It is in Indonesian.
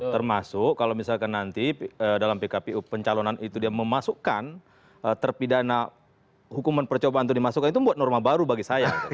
termasuk kalau misalkan nanti dalam pkpu pencalonan itu dia memasukkan terpidana hukuman percobaan untuk dimasukkan itu membuat norma baru bagi saya